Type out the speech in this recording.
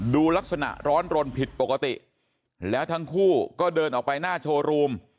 ดูลักษณะร้อนรนผิดปกติแล้วทั้งคู่ก็เดินออกไปหน้าโชว์รูม